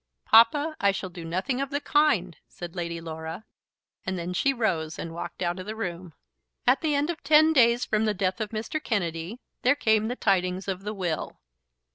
"Papa, I shall do nothing of the kind," said Lady Laura. And then she rose and walked out of the room. At the end of ten days from the death of Mr. Kennedy, there came the tidings of the will.